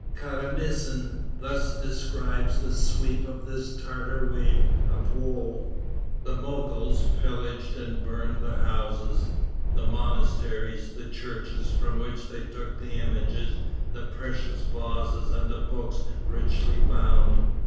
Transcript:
Karamsin thus describes the sweep of this Tartar wave of woe: "The Mogols pillaged and burned the houses, the monasteries, the churches, from which they took the images, the precious vases and the books richly bound.